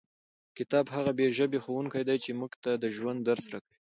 کتاب هغه بې ژبې ښوونکی دی چې موږ ته د ژوند درس راکوي.